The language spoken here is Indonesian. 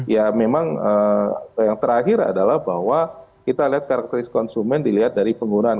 ya memang yang terakhir adalah bahwa kita lihat karakteris konsumen dilihat dari penggunaan